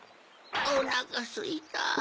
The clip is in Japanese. おなかすいた。